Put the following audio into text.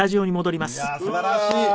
いやすばらしい。